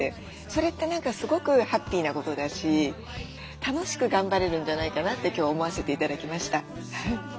それって何かすごくハッピーなことだし楽しく頑張れるんじゃないかなって今日思わせて頂きました。